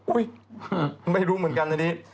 อุ๊ยไม่รู้เหมือนกันอันนี้